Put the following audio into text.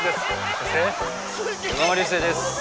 そして横浜流星です